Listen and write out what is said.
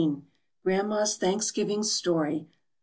GRANDMA'S THANKSGIVING STORY.